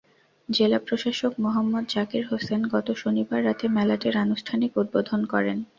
জেলা প্রশাসক মোহম্মদ জাকির হোসেন গত শনিবার রাতে মেলাটির আনুষ্ঠানিক উদ্বোধন করেন।